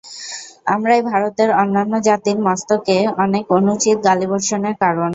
আমরাই ভারতের অন্যান্য জাতির মস্তকে অনেক অনুচিত গালি-বর্ষণের কারণ।